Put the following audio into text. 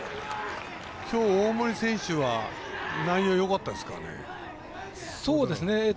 きょう、大森選手は内容、よかったですかね。